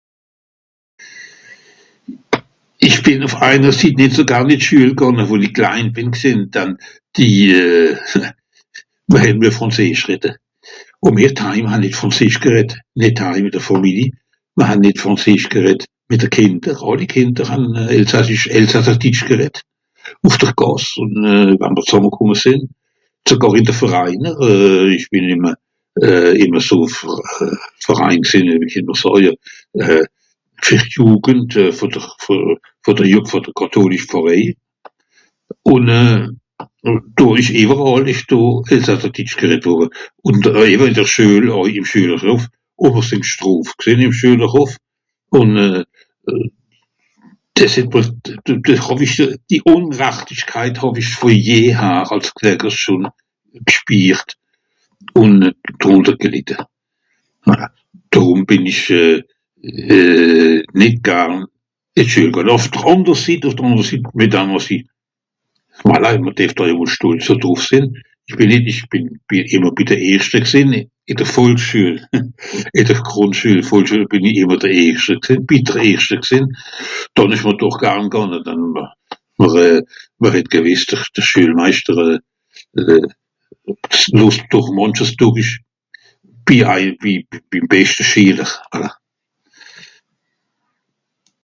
Ìch bìn ùff eine Sitt nìt so garn ìn d'Schüel gànge, wo-n-i klein bìn gsìnn, dann die mìr hän müen frànzeesch redde. Ùn mìr dheim han nìt frànzeesch gereddt, nìt dheim ìn de Famili. Mìr han nìt frànzeesch gereddt mìt de Kìnder. Àlli Kìnder hàn elsassisch... elsasserditsch gereddt. Ùff dr Gàss ùn we'mr zàmme kùmme sìnn. Sogàr ìn de Vereiner ìch bìn ìm e ìm eso Ver... Verein gsìn, wie kànn mr sààje fer d'Jugend fer dr fer Ju... fer de Catholisch Verèin. Ùn eu... dùrrich ìwweràll ìch do elsasserditsch gereddt wùrre, ùn oei éwwe ìn dr Schüel, oei ìm Schüelehof. Ùn mr sìnn gstoft gsìnn ìm Schüelehof. Ùn dìs het mr, d...d... hàw-ìch die (...) hàw-ich fer je har schùn gspiirt ùn drùntergelidde. Voilà. Derùm bìn ìch nìt garn ìn d'Schüel gànge, ùff dr ànder Sitt, ùff dr ànder Sitt mìt dam àss i... voilà ìmmer (...) stolz dodrùf sìnn. Ìch bìn nìt...ìch bìn ìmmer bi de Erschte gsìnn, ìn de Volksschüel. Ìn dr Grùndschüel, Volksschüel bìn i ìmmer dr Erscht gsìnn, bi de Erschte gsìnn. Dànn ìsch mr doch garn gànga, dann mr mr het gewìsst de, de Schüelmeischter losst doch mànches dùrrich bim eim... bi... bim beschte Schìler.